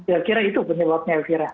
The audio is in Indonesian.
ya kira itu penyebabnya akhirnya